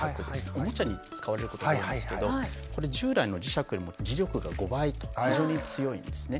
おもちゃに使われることが多いんですけどこれ従来の磁石よりも磁力が５倍と非常に強いんですね。